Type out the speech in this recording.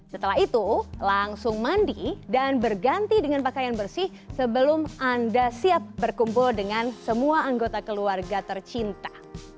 setelah itu langsung mandi dan berganti dengan pakaian bersih sebelum anda siap berkumpul dengan semua anggota keluarga tercinta